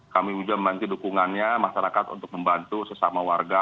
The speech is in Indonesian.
kami juga menanti dukungannya masyarakat untuk membantu sesama warga